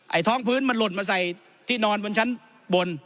ท้องพื้นมันหล่นมาใส่ที่นอนบนชั้นบน